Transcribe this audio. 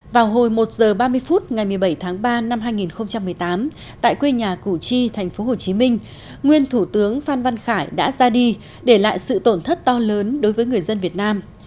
vào hồi một giờ ba mươi phút ngày một mươi bảy tháng ba năm hai nghìn một mươi tám tại quê nhà củ chi thành phố hồ chí minh nguyên thủ tướng phan văn khải đã ra đi để lại sự tổn thất to lớn đối với người dân việt nam